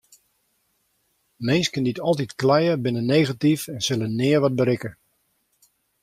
Minsken dy't altyd kleie binne negatyf en sille nea wat berikke.